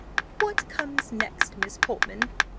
What comes next, Miss Portman?"